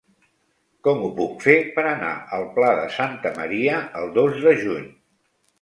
Com ho puc fer per anar al Pla de Santa Maria el dos de juny?